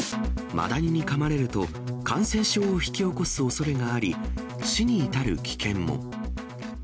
マダニにかまれると感染症を引き起こすおそれがあり、死に至る危険も。